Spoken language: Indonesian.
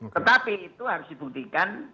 tetapi itu harus dibuktikan